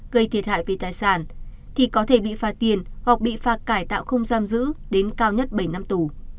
gây thiệt hại về tài sản thì có thể bị phạt tiền hoặc bị phạt cải tạo không giam giữ đến cao nhất bảy năm tù